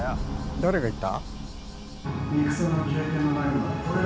「誰が言った」。